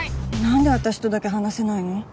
何で私とだけ話せないの？